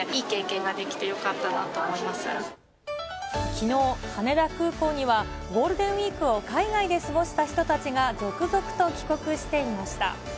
きのう、羽田空港にはゴールデンウィークを海外で過ごした人たちが、続々と帰国していました。